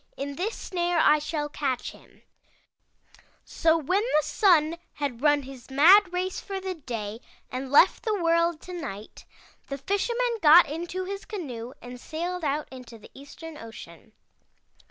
In this snare I shall catch him/ "So when the Sun had run his mad race for the day and left the world to night, the Fisherman got into his canoe and sailed out into the Eastern ocean.